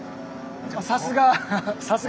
さすが。